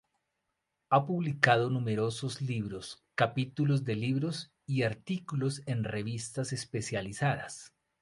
Ha publicado numerosos libros, capítulos de libros y artículos en revistas especializadas.